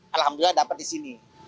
alhamdulillah dapat di sini